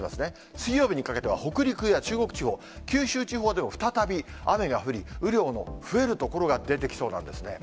水曜日にかけては、北陸や中国地方、九州地方でも再び雨が降り、雨量の増える所が出てきそうなんですね。